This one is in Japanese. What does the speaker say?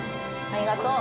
ありがとう！